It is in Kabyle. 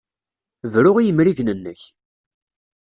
Bru i yimrigen-nnek!